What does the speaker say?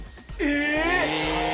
え